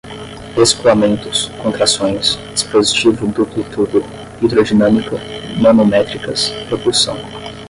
escoamentos, contrações, dispositivo duplo tubo, hidrodinâmica, manométricas, propulsão